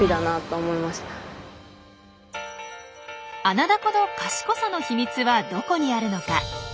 アナダコの賢さの秘密はどこにあるのか？